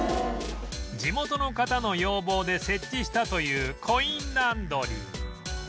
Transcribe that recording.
地元の方の要望で設置したというコインランドリー